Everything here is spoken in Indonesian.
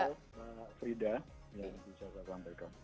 setelah hal pak frida yang bisa saya sampaikan